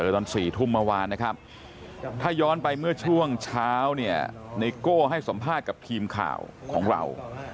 ตอน๔ทุ่มเมื่อวานนะครับถ้าย้อนไปเมื่อช่วงเช้าเนี่ยไนโก้ให้สัมภาษณ์กับทีมข่าวของเรา